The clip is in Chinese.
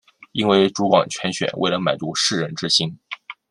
因为主管铨选未能满足士人之心。